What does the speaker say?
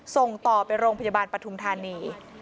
ส่งต่อไปโรงพยาบาลปฐุมธานี